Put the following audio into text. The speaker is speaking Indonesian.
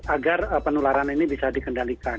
agar penularan ini bisa dikendalikan